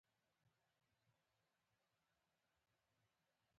بلا وږمې لوروي